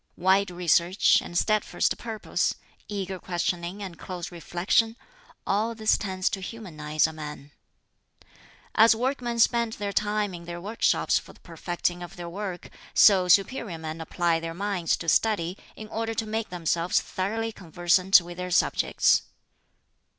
"Wide research and steadfast purpose, eager questioning and close reflection all this tends to humanize a man. "As workmen spend their time in their workshops for the perfecting of their work, so superior men apply their minds to study in order to make themselves thoroughly conversant with their subjects.